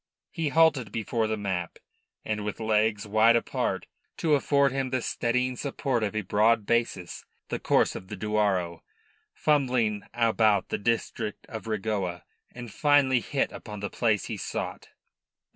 He halted before the map, and with legs wide apart, to afford him the steadying support of a broad basis, he traced with his finger the course of the Douro, fumbled about the district of Regoa, and finally hit upon the place he sought.